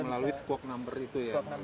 tapi melalui squawk number itu ya